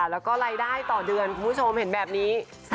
แล้วก็รายได้ต่อเดือนคุณผู้ชมเห็นแบบนี้